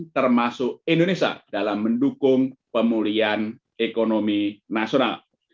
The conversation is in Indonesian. termasuk indonesia dalam mendukung pemulihan ekonomi nasional